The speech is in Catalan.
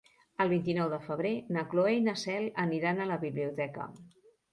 El vint-i-nou de febrer na Cloè i na Cel aniran a la biblioteca.